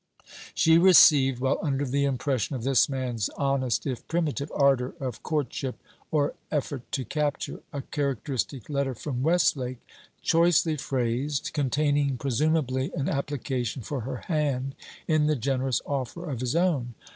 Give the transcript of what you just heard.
She received, while under the impression of this man's, honest, if primitive, ardour of courtship, or effort to capture, a characteristic letter from Westlake, choicely phrased, containing presumeably an application for her hand, in the generous offer of his own.